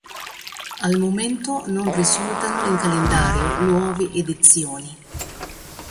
Al momento non risultano in calendario nuove edizioni.